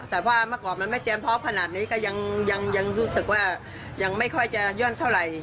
แต่ว่าเมื่อก่อนมันไม่เตรียมพร้อมขนาดนี้ก็ยังรู้สึกว่ายังไม่ค่อยจะย่อนเท่าไหร่